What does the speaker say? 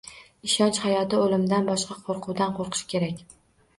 Ishonch hayoti o'limdan boshqa qo'rquvdan qo'rqish kerak.